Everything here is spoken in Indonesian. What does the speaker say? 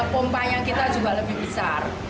pompanya kita juga lebih besar